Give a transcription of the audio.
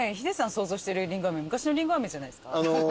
想像してるりんご飴昔のりんご飴じゃないですか？